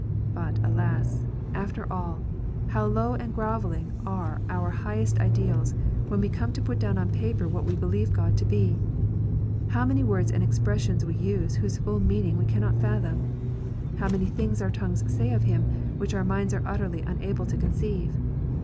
But, alas, after all, how low and grovelling are our highest ideas, when we come to put down on paper what we believe God to be ! How many words and expressions we use whose full meaning we cannot fathom ! How many things our tongues say of Him which our minds are utterly unable to conceive